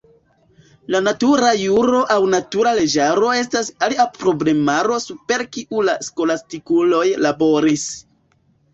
La natura juro aŭ natura leĝaro estas alia problemaro super kiu la skolastikuloj laboris.